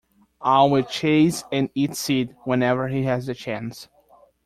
Al will chase and eat Sid whenever he has the chance.